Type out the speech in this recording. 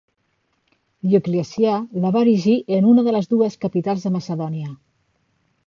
Dioclecià la va erigir en una de les dues capitals de Macedònia.